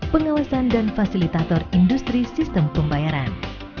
pengawasan dan fasilitator industri sistem pembayaran